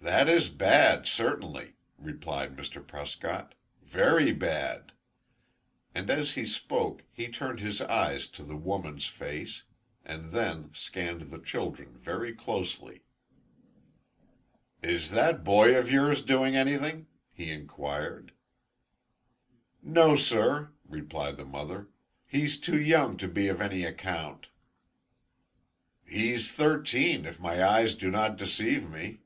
"That is bad, certainly," replied Mr. Prescott, "very bad." And as he spoke, he turned his eyes to the woman's face, and then scanned the children very closely. "Is that boy of yours doing anything?" he inquired. "No, sir," replied the mother. "He's too young to be of any account." "He's thirteen, if my eyes do not deceive me."